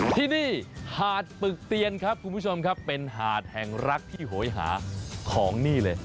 ที่นี่หาดปึกเตียนครับคุณผู้ชมครับเป็นหาดแห่งรักที่โหยหาของนี่เลย